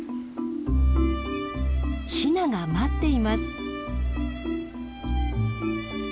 ヒナが待っています。